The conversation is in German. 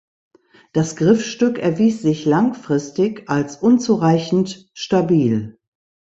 Das Griffstück erwies sich langfristig als unzureichend stabil.